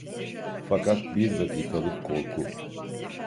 Fakat bir dakikalık korku…